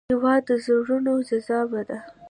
هېواد د زړونو جذبه ده.